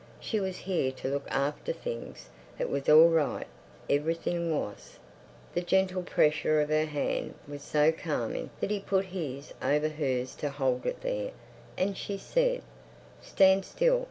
She was here to look after things. It was all right. Everything was. The gentle pressure of her hand was so calming that he put his over hers to hold it there. And she said: "Stand still.